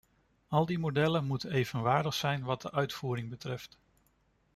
Al die modellen moeten evenwaardig zijn wat de uitvoering betreft.